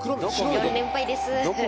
４連敗です。